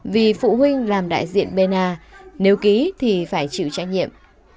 vì phụ huynh làm đại diện bên a nếu ký thì phải chịu trách nhiệm